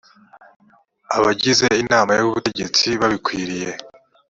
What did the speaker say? abagize inama y ubutegetsi babikwiriye